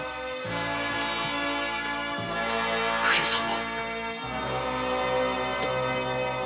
上様。